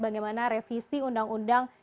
bagaimana revisi undang undang